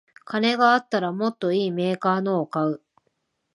金があったらもっといいメーカーのを買う